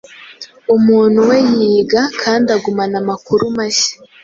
Umuntu wee yiga kandi agumana amakuru mahya